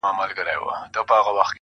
ژوند له باور نه رنګ اخلي.